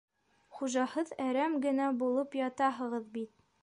Хужаһыҙ әрәм генә булып ятаһығыҙ бит!